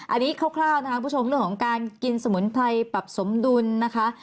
อันนี้คร่าวนะคะคุณผู้ชมเรื่องของการกินสมุนไพรปรับสมดุลนะคะ